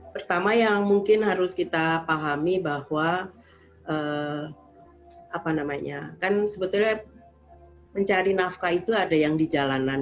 pertama yang mungkin harus kita pahami bahwa apa namanya kan sebetulnya mencari nafkah itu ada yang di jalanan